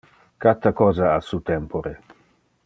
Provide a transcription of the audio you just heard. Cata cosa a su tempore.